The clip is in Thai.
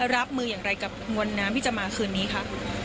รับมืออย่างไรกับมวลน้ำที่จะมาคืนนี้ค่ะ